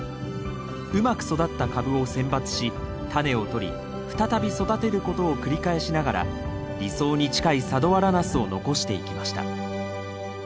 うまく育った株を選抜しタネをとり再び育てることを繰り返しながら理想に近い佐土原ナスを残していきました